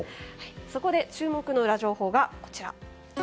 そこで、注目のウラ情報がこちら。